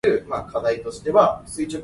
仝